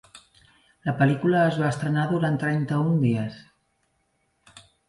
La pel·lícula es va estrenar durant trenta-un dies.